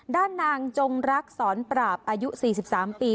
ด้านนางจงรักษรปราบอายุ๔๓ปี